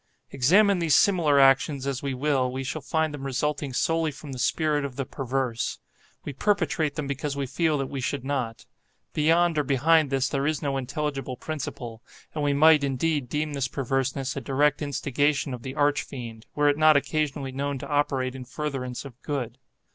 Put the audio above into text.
Examine these similar actions as we will, we shall find them resulting solely from the spirit of the Perverse. We perpetrate them because we feel that we should not. Beyond or behind this there is no intelligible principle; and we might, indeed, deem this perverseness a direct instigation of the Arch Fiend, were it not occasionally known to operate in furtherance of good.